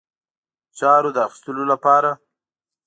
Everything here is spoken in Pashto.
چارو د اخیستلو لپاره.